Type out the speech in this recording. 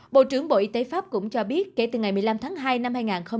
bộ trưởng bộ y tế pháp cũng cho biết kể từ ngày một mươi năm tháng hai năm hai nghìn hai mươi